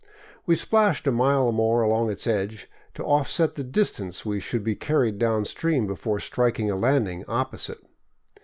We splashed a mile or more up along its edge, to offset the distance we should be carried downstream before striking a landing opposite.